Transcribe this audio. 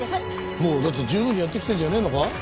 もうだって十分にやってきたんじゃねえのか？